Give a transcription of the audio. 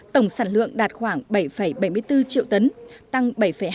tổng sản lượng đạt khoảng bảy bảy mươi bốn triệu tấn tăng bảy hai